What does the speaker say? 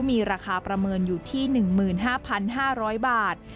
มีราคาประเมินอยู่ที่๑๕๕๐๐บาท